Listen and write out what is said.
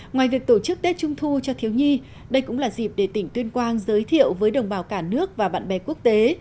ngoài việc tổ chức tết trung thu cho thiếu nhi đây cũng là dịp để tỉnh tuyên quang giới thiệu với đồng bào cả nước và bạn bè quốc tế